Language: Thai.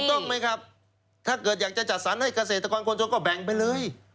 ต้องไหมครับถ้าเกิดอยากจะจัดสรรให้เกษตรกรคนชนก็แบ่งไปเลย